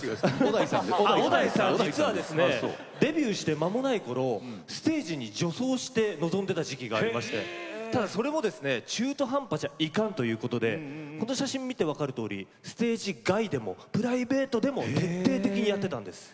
小田井さん、実はデビューしてまもないころステージに女装して臨んでいた時期がありましてそれも中途半端じゃいかんということで写真を見て分かるようにプライベートでも徹底的にやってたんです。